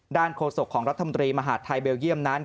ด้านโค้ดศพของรัฐธรรมดรีมหาดไทยเบลเยี่ยมนั้น